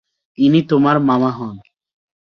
ইনি তোমার মামা হন।